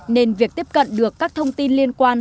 nên việc tiếp cận được các thông tin liên quan